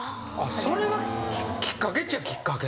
それがきっかけっちゃきっかけ？